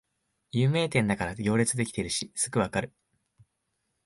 有名店だから行列できてるしすぐわかる